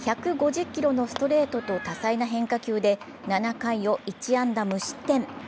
１５０キロのストレートと多彩な変化球で７回を１安打無失点。